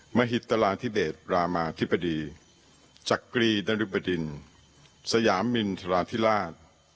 มหิตราธิเดชรามาธิบดีจักรีนริบดินสยามินทราธิราช